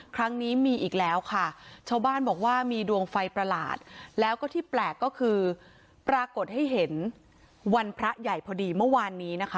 ครั้งนี้มีอีกแล้วค่ะชาวบ้านบอกว่ามีดวงไฟประหลาดแล้วก็ที่แปลกก็คือปรากฏให้เห็นวันพระใหญ่พอดีเมื่อวานนี้นะคะ